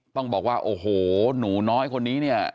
ต้องบอกว่าโอ้โหหนูน้อยคนนี้เนี่ย